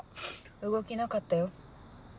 動きなかったよ。